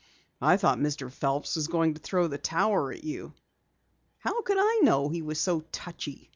"I thought Mr. Phelps was going to throw the tower at you!" "How could I know he was so touchy?"